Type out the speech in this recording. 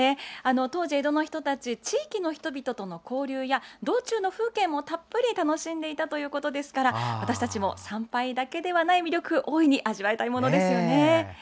当時、江戸の人たち地域の人との交流や道中の風景もたっぷり楽しんでいたということですから私たちも参拝だけではない魅力大いに味わいたいものですよね。